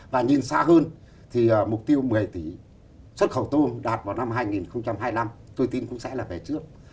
và nhìn xa hơn thì mục tiêu một mươi tỷ xuất khẩu tôm đạt vào năm hai nghìn hai mươi năm tôi tin cũng sẽ là về trước